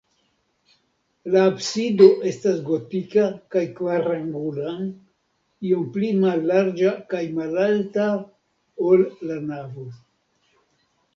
La absido estas gotika kaj kvarangula, iom pli mallarĝa kaj malalta, ol la navo.